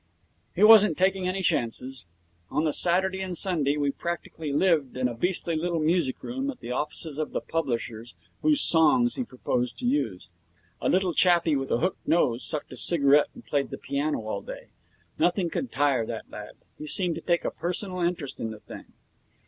He wasn't taking any chances. On the Saturday and Sunday we practically lived in a beastly little music room at the offices of the publishers whose songs he proposed to use. A little chappie with a hooked nose sucked a cigarette and played the piano all day. Nothing could tire that lad. He seemed to take a personal interest in the thing.